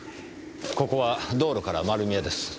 ここは道路から丸見えです。